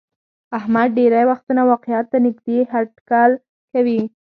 احمد ډېری وختونه واقعیت ته نیږدې هټکل کوي.